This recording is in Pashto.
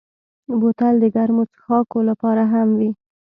بوتل د ګرمو څښاکو لپاره هم وي.